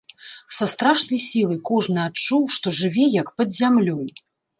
Са страшнай сілай кожны адчуў, што жыве як пад зямлёй.